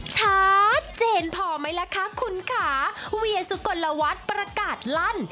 ชัดเจนพอไหมล่ะคะคุณค่ะเวียสุกลวัฒน์ประกาศลั่น